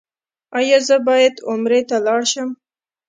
ایا زه باید عمرې ته لاړ شم؟